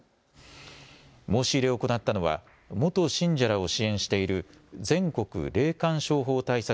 申し入れを行ったのは元信者らを支援している全国霊感商法対策